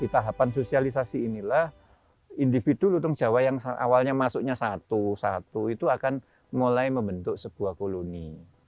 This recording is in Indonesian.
tahapan sosialisasi inilah individu lutung jawa yang awalnya masuknya satu satu itu akan mulai membentuk sebuah koloni